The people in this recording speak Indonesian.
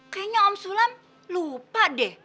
kayaknya om sulam lupa deh